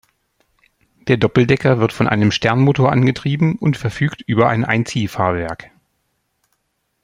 Der Doppeldecker wird von einem Sternmotor angetrieben und verfügt über ein Einziehfahrwerk.